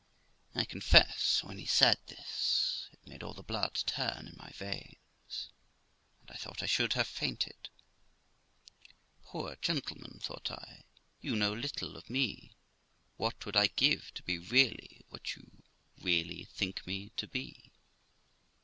I confess, when he said this, it made all the blood turn in my veins, and I thought I should have fainted. 'Poor gentleman', thought I, 'you know little of me. What would I give to be really what you really think me to be!'